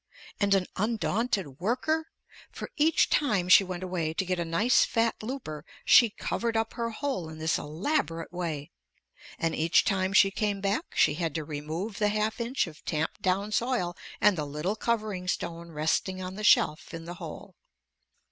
And an undaunted worker? For each time she went away to get a nice fat looper, she covered up her hole in this elaborate way, and each time she came back, she had to remove the half inch of tamped down soil and the little covering stone resting on the shelf in the hole.